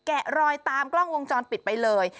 แกะรอยตามกล้องวงจรปิดไปเลย